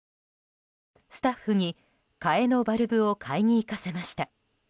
スタッフに、替えのバルブを買いに行かせました。